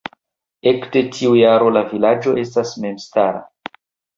Ekde tiu jaro la vilaĝo estas memstara.